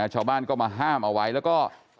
ชาวบ้านก็มาห้ามเอาไว้แล้วก็